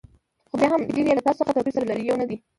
خو بیا هم ډېری یې له تاسو څخه توپیر سره لري، یو نه دي.